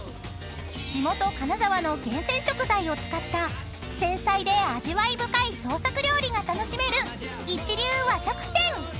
［地元金沢の厳選食材を使った繊細で味わい深い創作料理が楽しめる一流和食店］